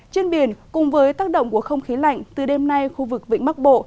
trên biển cùng với tác động của không khí lạnh từ đêm nay khu vực vĩnh bắc bộ